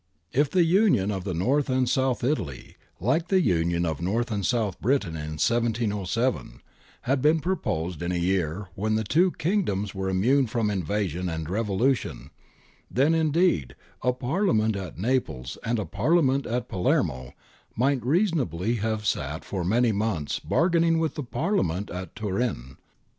If the union of North and South Italy, hke the union of North and South Britain in 1707, had been proposed in a year when the two Kingdoms were immune from inva sion and revolution, then indeed a Parliament at Naples and a Parliament at Palermo might reasonably have sat for many months bargaining with the Parliament at Turin.